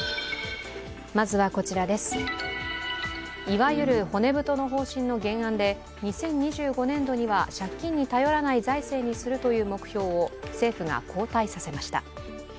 いわゆる骨太の方針の原案で２０２５年度には借金に頼らない財政にするという目標を政府が後退させました。